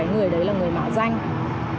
người đấy là người mạo danh